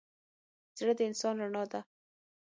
زړه د انسان رڼا ده.